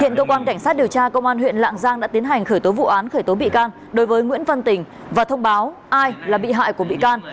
hiện cơ quan cảnh sát điều tra công an huyện lạng giang đã tiến hành khởi tố vụ án khởi tố bị can đối với nguyễn văn tình và thông báo ai là bị hại của bị can